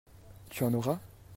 Tu en auras ?